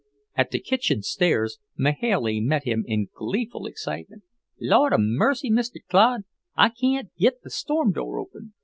At the kitchen stairs Mahailey met him in gleeful excitement. "Lord 'a' mercy, Mr. Claude, I can't git the storm door open.